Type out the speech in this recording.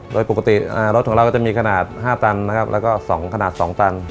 โดยปกติรถของเราก็จะมีขนาด๕ตันและ๒ขนาด๒ตัน